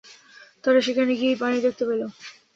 তারা সেখানে গিয়েই পানি দেখতে পেল।